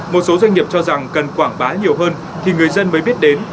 một số doanh nghiệp cho rằng cần quảng bá nhiều hơn thì người dân mới biết đến